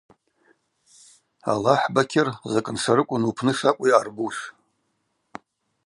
Алахӏ, Бакьыр, закӏ ншарыквын упны шакӏву йъарбуш.